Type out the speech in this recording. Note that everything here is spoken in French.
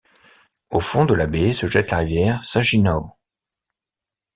Au fond de la baie se jette la rivière Saginaw.